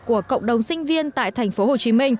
của cộng đồng sinh viên tại tp hcm